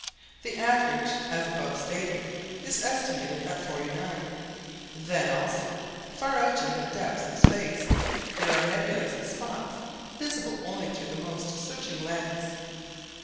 The average, as above stated, is estimated at forty nine. Then, also, far out in the depths of space, there are nebulous spots visible only through the most searching lenses.